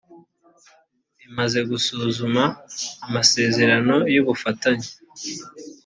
imaze gusuzuma amasezerano y ubufatanye